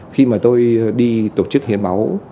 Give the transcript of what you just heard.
khi mà tôi đi tổ chức hiến máu